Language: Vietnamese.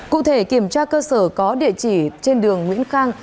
cụ thể kiểm tra cơ sở có địa chỉ trên đường nguyễn khang